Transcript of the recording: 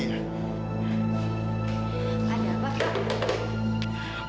aida apa pak